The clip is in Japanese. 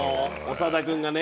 長田君がね。